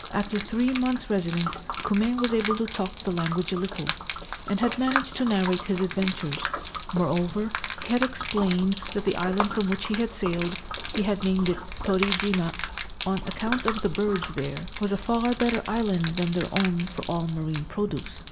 After three months' residence Kume was able to talk the language a little, and had managed to narrate his adventures ; moreover, he had explained that the island from which he had sailed — he had named it Torijima,1 on account of the birds there — was a far better island than their own for all marine produce.